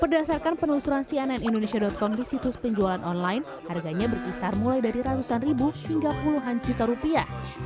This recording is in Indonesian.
berdasarkan penelusuran cnn indonesia com di situs penjualan online harganya berkisar mulai dari ratusan ribu hingga puluhan juta rupiah